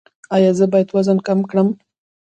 ایا زه باید وزن کم کړم؟